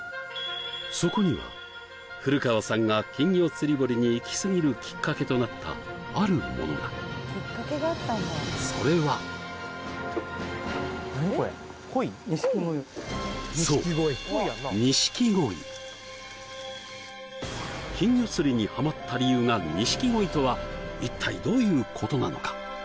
そこには古川さんが金魚釣り堀にイキスギるきっかけとなったあるものがそれはそう一体どういうことなのか？